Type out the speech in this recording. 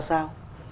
nói chung là